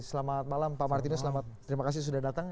selamat malam pak martinus terima kasih sudah datang